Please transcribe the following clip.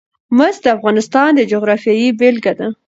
مس د افغانستان د جغرافیې بېلګه ده.